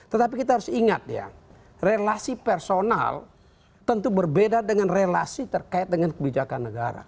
tetapi kita harus ingat ya relasi personal tentu berbeda dengan relasi terkait dengan kebijakan negara